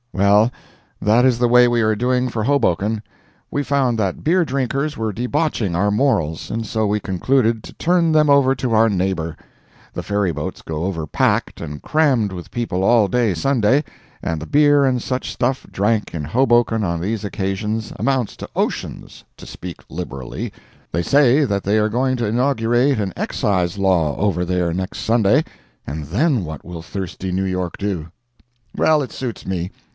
Well that is the way we are doing for Hoboken. We found that beer drinkers were debauching our morals, and so we concluded to turn them over to our neighbor. The ferry boats go over packed and crammed with people all day Sunday, and the beer and such stuff drank in Hoboken on these occasions amounts to oceans, to speak liberally. They say that they are going to inaugurate an excise law over there, next Sunday, and then what will thirsty New York do? Well, it suits me.